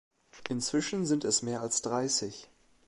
Inzwischen sind es mehr als dreißig.